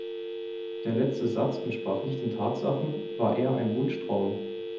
Der letzte Satz entsprach nicht den Tatsachen, war eher ein Wunschtraum.